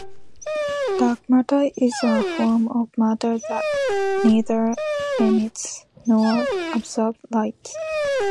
Dark matter is a form of matter that neither emits nor absorbs light.